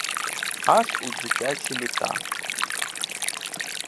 Аж у дитячі літа.